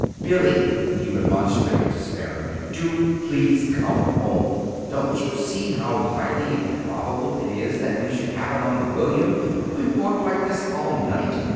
"Billy," he remonstrated despairingly, "do, please, come home! Don't you see how highly improbable it is that we should happen on William if we walked like this all night?